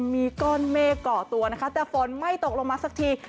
มีก้อนเมฆก่อตัวนะคะแต่ฝนไม่ตกลงมาสักที